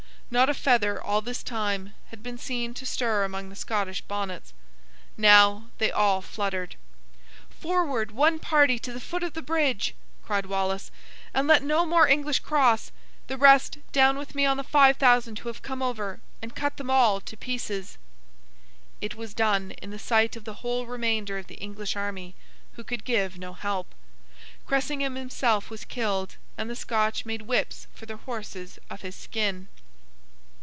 Not a feather, all this time, had been seen to stir among the Scottish bonnets. Now, they all fluttered. 'Forward, one party, to the foot of the Bridge!' cried Wallace, 'and let no more English cross! The rest, down with me on the five thousand who have come over, and cut them all to pieces!' It was done, in the sight of the whole remainder of the English army, who could give no help. Cressingham himself was killed, and the Scotch made whips for their horses of his skin.